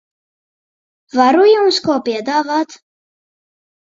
Varu jums ko piedāvāt?